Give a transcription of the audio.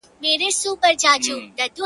که مېرمني یې شپې ستړي په دُعا کړې؛